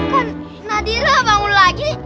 kan nadira bangun lagi